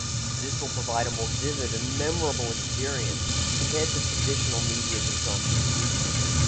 This will provide a more vivid and memorable experience compared to traditional media consumption.